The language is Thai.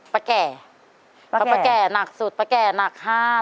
พี่อัม๑๕พี่อัม๑๒